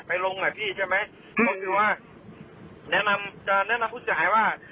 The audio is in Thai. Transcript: ลงอ่ะพี่ใช่ไหมก็คือว่าแนะนำจะแนะนำผู้เสียหายว่า